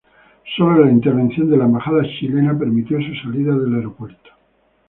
Sólo la intervención de la Embajada chilena permitió su salida del aeropuerto.